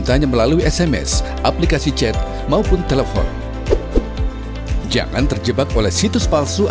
terus aku harus forward sms